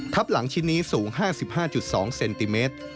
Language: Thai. หลังชิ้นนี้สูง๕๕๒เซนติเมตร